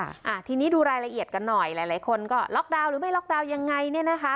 อ่าทีนี้ดูรายละเอียดกันหน่อยหลายหลายคนก็ล็อกดาวน์หรือไม่ล็อกดาวน์ยังไงเนี่ยนะคะ